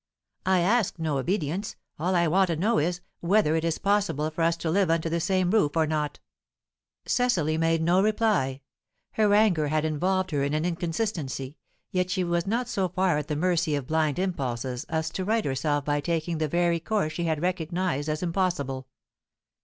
"I ask no obedience. All I want to know is, whether it is possible for us to live under the same roof or not." Cecily made no reply. Her anger had involved her in an inconsistency, yet she was not so far at the mercy of blind impulses as to right herself by taking the very course she had recognized as impossible.